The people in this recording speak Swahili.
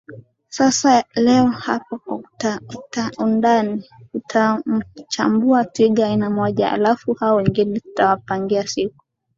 Sasa leo hapa kwa undani tutamchambua twiga aina moja halafu hao wengine tutawapangia siku